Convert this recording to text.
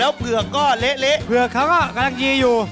แล้วเผือกก็เละเผือกเขาก็กำลังยีอยู่